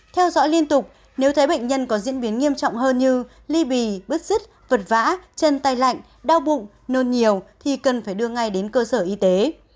theo dõi liên tục nếu thấy bệnh nhân có diễn biến nghiêm trọng hơn như ly bì bứt rứt vật vã chân tay lạnh đau bụng nôn nhiều thì cần phải đưa ngay đến cơ sở y tế